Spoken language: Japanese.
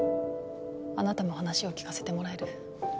あなたも話を聞かせてもらえる？